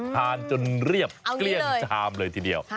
ทานจนเรียบเกลี้ยงชามเลยทีเดียว